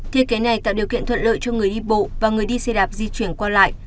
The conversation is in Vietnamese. thiết kế này tạo điều kiện thuận lợi cho người đi bộ và người đi xe đạp di chuyển qua lại